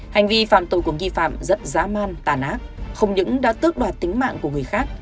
hành vi phạm tội của nghi phạm rất dã man tàn ác không những đã tước đoạt tính mạng của người khác